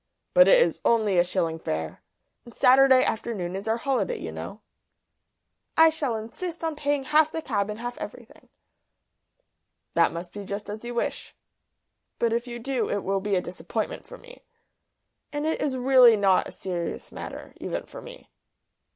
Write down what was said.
"But it is only a shilling fare. And Saturday afternoon is our holiday, you know." "I shall insist on paying half the cab and half everything." "That must be just as you wish. But if you do it will be a disappointment for me. And it is really not a very serious matter, even for me."